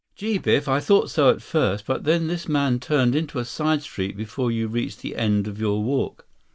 "Gee, Biff. I thought so at first. But then this man turned into a side street before you reached the end of your walk."